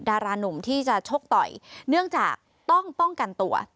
ดารานุ่มที่จะชกต่อยเนื่องจากต้องป้องกันตัว